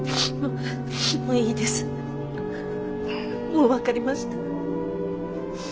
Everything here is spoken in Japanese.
もう分かりました。